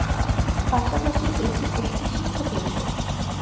পাশাপাশি এটি একটি শিক্ষাকেন্দ্র।